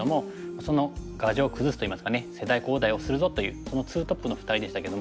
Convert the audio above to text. その牙城を崩すといいますかね世代交代をするぞというそのツートップの２人でしたけども。